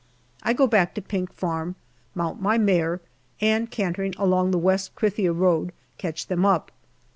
I go back to Pink Farm, mount my mare, and cantering along the West Krithia road, catch them up.